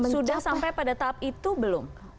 sudah sampai pada tahap itu belum